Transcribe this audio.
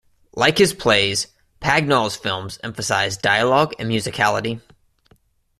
Like his plays, Pagnol's films emphasize dialogue and musicality.